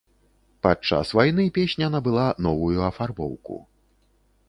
Падчас вайны песня набыла новую афарбоўку.